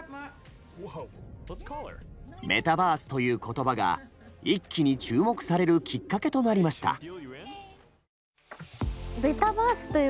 「メタバース」という言葉が一気に注目されるきっかけとなりました。